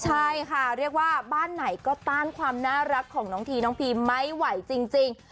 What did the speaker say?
ใช่ค่ะเรียกว่าบ้านไหนก็ต้านความน่ารักของน้องทีน้องพีมไม่ไหวจริง